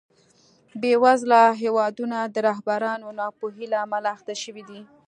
بېوزله هېوادونه د رهبرانو ناپوهۍ له امله اخته شوي دي.